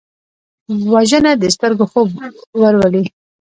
وژنه د سترګو خوب ورولي